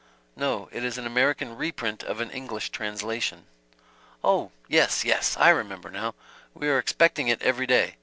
"No, it is an American reprint of an English translation." "Oh! Yes yes I remember, now. We are expecting it every day.